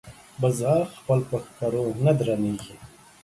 بزه خپل په ښکرو نه درنېږي.